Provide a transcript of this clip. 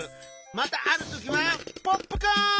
またあるときはポップコーン！